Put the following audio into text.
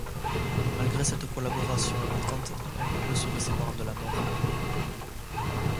Malgré cette collaboration importante, elle ne peut sauver ses parents de la mort.